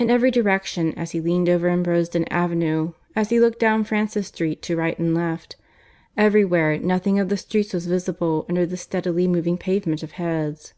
In every direction, as he leaned over Ambrosden Avenue, as he looked down Francis Street to right and left, everywhere nothing of the streets was visible under the steadily moving pavement of heads.